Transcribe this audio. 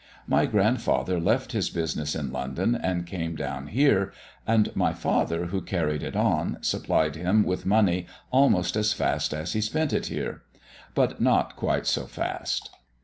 My grandfather left his business in London, and came down here; and my father, who carried it on, supplied him with money almost as fast as he spent it here; but not quite so fast.